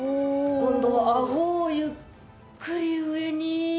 今度は顎をゆっくり上に。